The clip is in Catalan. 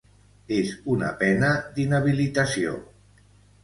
És una pena d’inhabilitació.